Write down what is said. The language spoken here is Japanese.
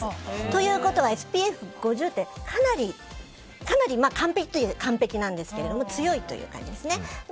ということはＳＰＦ５０ってかなり完璧といえば完璧なんですが強いということですね。